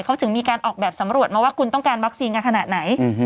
เขาถึงมีการออกแบบสำรวจมาว่าคุณต้องการวัคซีนกันขนาดไหน